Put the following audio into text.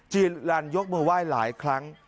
ลันยกมือไหว้หลายครั้ง